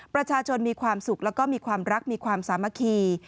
ประชาชนมีความสุขแล้วก็มีความรักมีความสามัคคี